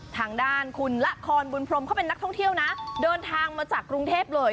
ทางด้านคุณละคอนบุญพรมเขาเป็นนักท่องเที่ยวนะเดินทางมาจากกรุงเทพเลย